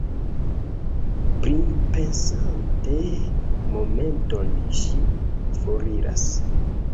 Pripensante momenton, ŝi foriras.